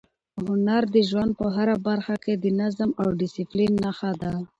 هنر د ژوند په هره برخه کې د نظم او ډیسپلین نښه ده.